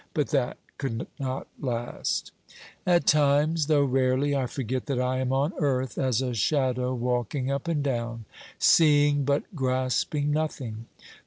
But that could not last. OBERMANN 385 At times, though rarely, I forget that I am on earth as a shadow walking up and down, seeing but grasping nothing.